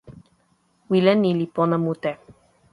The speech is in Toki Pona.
wile ni li pona mute.